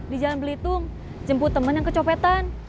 di jalan belitung jemput teman yang kecopetan